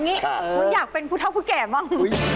อ๋อนี่แหละไอ้หำนี่อยากเป็นผู้เท่าผู้แก่บ้าง